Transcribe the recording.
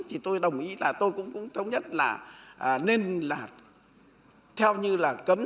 thì tôi đồng ý là tôi cũng thống nhất là nên là theo như là cấm